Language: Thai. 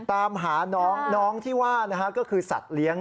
ตามหาน้องน้องที่ว่านะฮะก็คือสัตว์เลี้ยง